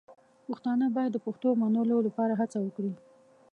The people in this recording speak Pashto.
پښتانه باید د پښتو د منلو لپاره هڅه وکړي.